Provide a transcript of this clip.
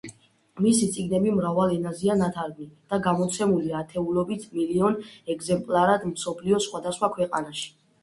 მისი წიგნები მრავალ ენაზეა ნათარგმნი და გამოცემული ათეულობით მილიონ ეგზემპლარად მსოფლიოს სხვადასხვა ქვეყანაში.